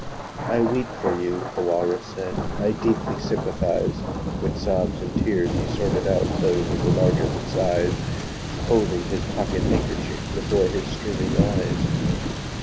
'I weep for you,'the Walrus said: 'I deeply sympathize.' With sobs and tears he sorted out Those of the largest size, Holding his pocket handkerchief Before his streaming eyes.